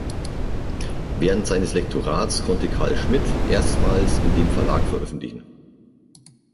Während seines Lektorats konnte Carl Schmitt erstmals in dem Verlag veröffentlichen.